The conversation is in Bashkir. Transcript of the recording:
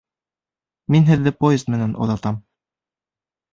Мин һеҙҙе поезд менән оҙатам